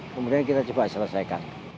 kemudian kita coba selesaikan